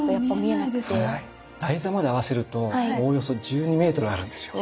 台座まで合わせるとおおよそ１２メートルあるんですよ。